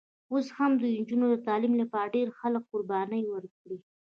اوس هم د نجونو د تعلیم لپاره ډېر خلک قربانۍ ورکړي.